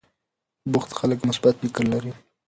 بوخت خلک مثبت فکر لري.